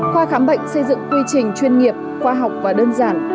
khoa khám bệnh xây dựng quy trình chuyên nghiệp khoa học và đơn giản